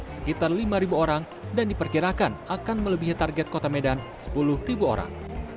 sekitar lima orang dan diperkirakan akan melebihi target kota medan sepuluh orang